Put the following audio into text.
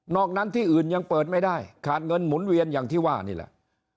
อกนั้นที่อื่นยังเปิดไม่ได้ขาดเงินหมุนเวียนอย่างที่ว่านี่แหละ